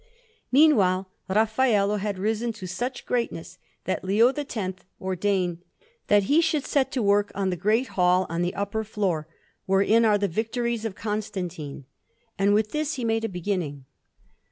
Meanwhile Raffaello had risen to such greatness, that Leo X ordained that he should set to work on the Great Hall on the upper floor, wherein are the Victories of Constantine; and with this he made a beginning.